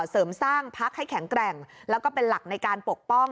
เสริมสร้างพักให้แข็งแกร่งแล้วก็เป็นหลักในการปกป้อง